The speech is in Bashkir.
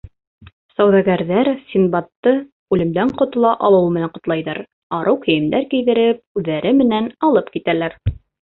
Сауҙагәрҙәр Синдбадты үлемдән ҡотола алыуы менән ҡотлайҙар, арыу кейемдәр кейҙереп, үҙҙәре менән алып китәләр.